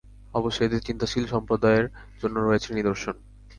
অবশ্যই এতে চিন্তাশীল সম্প্রদায়ের জন্য রয়েছে নিদর্শন।